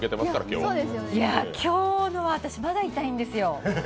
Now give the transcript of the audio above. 今日のは私、まだ痛いんですよ。